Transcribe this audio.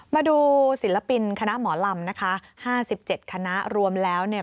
มาดูศิลปินคณะหมอลำนะคะ๕๗คณะรวมแล้วเนี่ย